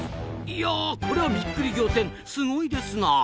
いやこりゃびっくり仰天すごいですなあ！